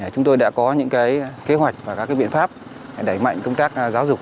chúng tôi đã có những kế hoạch và các biện pháp đẩy mạnh công tác giáo dục